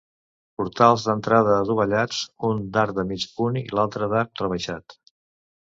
Portals d'entrada adovellats, un d'arc de mig punt i l'altre d'arc rebaixat.